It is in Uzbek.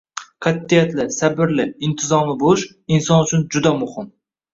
Qatʼiyatli, sabrli, intizomli bo‘lish – inson uchun juda muhim.